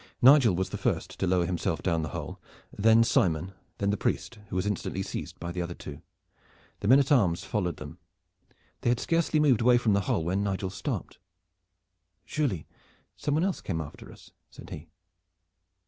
Nigel was the first to lower himself down the hole; then Simon; then the priest, who was instantly seized by the other two. The men at arms followed them. They had scarcely moved away from the hole when Nigel stopped. "Surely some one else came after us," said he.